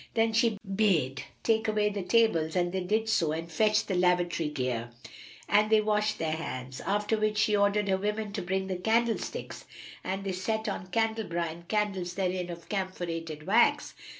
Then she bade take away the tables and they did so and fetched the lavatory gear; and they washed their hands, after which she ordered her women to bring the candlesticks, and they set on candelabra and candles therein of camphorated wax.